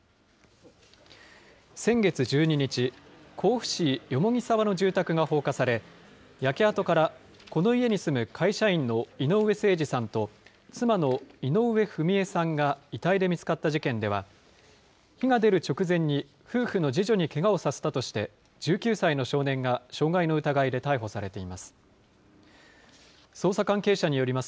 先月１２日、甲府市蓬沢の住宅が放火され、焼け跡からこの家に住む会社員の井上盛司さんと妻の井上章惠さんが遺体で見つかった事件では、火が出る直前に夫婦の次女にけがをさせたとして、１９歳の少年が傷害の疑いで逮捕されています。